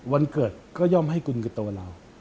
วันเกิดก็ย่อมให้กุลกับตัวเรา